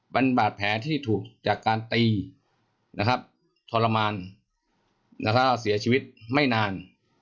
เป็นบาดแผลที่ถูกจากการตีนะครับทรมานเสียชีวิตไม่นาน